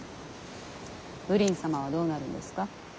ウリン様はどうなるんですか。